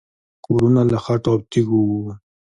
کورونه له خټو او تیږو وو